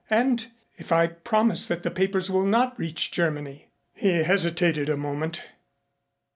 "And if I promise that the papers will not reach Germany?" He hesitated a moment.